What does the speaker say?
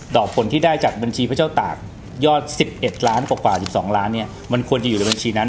ผลที่ได้จากบัญชีพระเจ้าตากยอด๑๑ล้านกว่า๑๒ล้านเนี่ยมันควรจะอยู่ในบัญชีนั้น